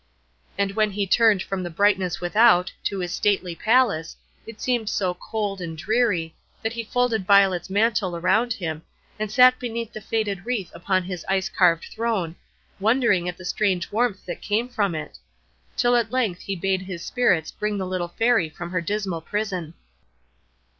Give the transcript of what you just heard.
And when he turned from the brightness without, to his stately palace, it seemed so cold and dreary, that he folded Violet's mantle round him, and sat beneath the faded wreath upon his ice carved throne, wondering at the strange warmth that came from it; till at length he bade his Spirits bring the little Fairy from her dismal prison.